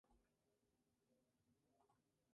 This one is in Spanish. Su aprendizaje musical ha sido autodidacta.